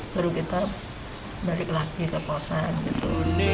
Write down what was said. baru kita balik lagi ke posan gitu